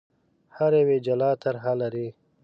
هر یو یې جلا طرح لري.